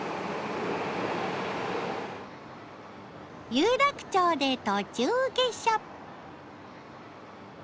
有楽町で途中下車。